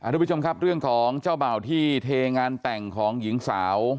ทุกผู้ชมครับเรื่องของเจ้าบ่าวที่เทงานแต่งของหญิงสาว